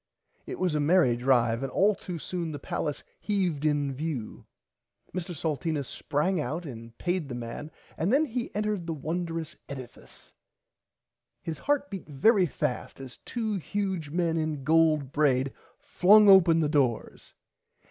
It was a merry drive and all too soon the Palace heaved in view. Mr Salteena sprang out and paid the man and then he entered the wondrous edifice. His heart beat very fast as two huge men in gold braid flung open the doors.